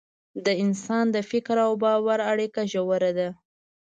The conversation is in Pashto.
د انسان د فکر او باور اړیکه ژوره ده.